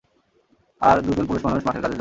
আর দুজন পুরুষমানুষ মাঠের কাজের জন্য।